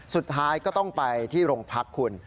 สุดท้ายก็ต้องไปที่โรงพักคุณ